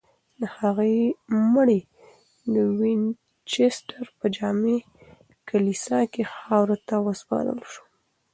د هغې مړی د وینچسټر په جامع کلیسا کې خاورو ته وسپارل شو.